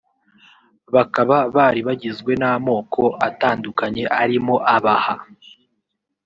bakaba bari bagizwe n’amoko atandukanye arimo Abaha